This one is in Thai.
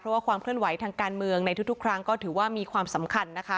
เพราะว่าความเคลื่อนไหวทางการเมืองในทุกครั้งก็ถือว่ามีความสำคัญนะคะ